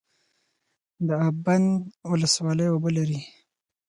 د اب بند ولسوالۍ اوبه لري